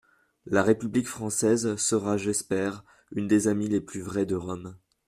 La république française sera, j'espère, une des amies les plus vraies de Rome.